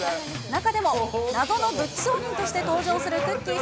中でも、謎の武器商人として登場するくっきー！